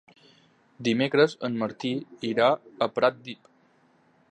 Dimecres en Martí irà a Pratdip.